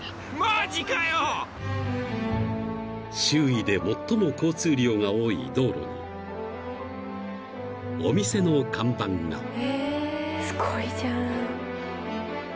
［周囲で最も交通量が多い道路にお店の看板が］